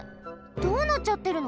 どうなっちゃってるの？